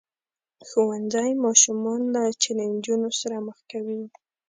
ښوونځی ماشومان له چیلنجونو سره مخ کوي.